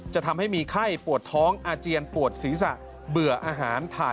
จะทำให้มีไข้ปวดท้องอาเจียนปวดศีรษะ